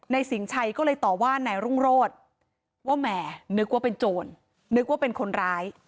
สิงชัยก็เลยต่อว่านายรุ่งโรธว่าแหมนึกว่าเป็นโจรนึกว่าเป็นคนร้าย